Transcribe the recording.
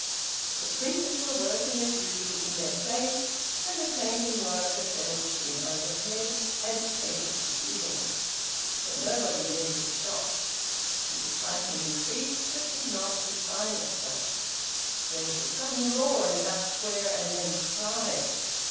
The printers were working as usual in their place, and the clanking whirr of a treadle machine overhead agitated the ceiling. But nobody would enter the shop. His excitement increased, but did not define itself. There was a sudden roar in Duck Square, and then cries.